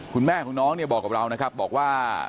คุณแม่คุณน้องบอกกับเรานะครับบอกว่า